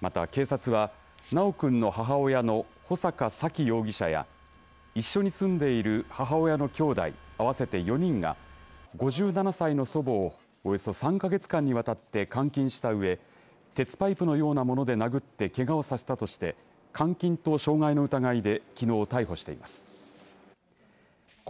また、警察は修くんの母親の穂坂沙喜容疑者や一緒に住んでいる母親のきょうだい合わせて４人が５７歳の祖母をおよそ３か月間にわたって監禁したうえ鉄パイプのようなもので殴ってけがをさせたとして監禁と傷害の疑いできのう逮捕しています。